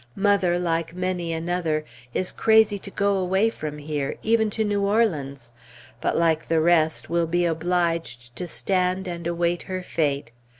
Mother, like many another, is crazy to go away from here, even to New Orleans; but like the rest, will be obliged to stand and await her fate.